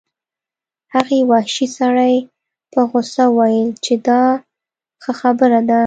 هغه وحشي سړي په غوسه وویل چې دا ښه خبره ده